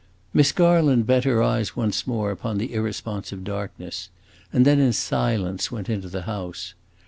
Miss Garland bent her eyes once more upon the irresponsive darkness, and then, in silence, went into the house.